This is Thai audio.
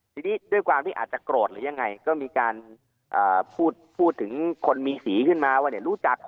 ทีนี้ด้วยความที่อาจจะโกรธหรือยังไงก็มีการพูดถึงคนมีสีขึ้นมาว่าเนี่ยรู้จัก